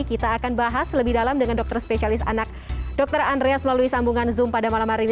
kita akan bahas lebih dalam dengan dokter spesialis anak dokter andreas melalui sambungan zoom pada malam hari ini